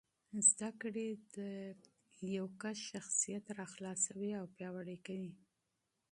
تعلیم د فرد شخصیت راخلاصوي او پیاوړي کوي.